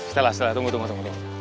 setelah setelah tunggu tunggu tunggu